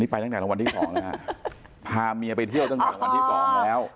ไปตั้งแต่รางวัลที่สองแล้วฮะพาเมียไปเที่ยวตั้งแต่วันที่๒แล้ว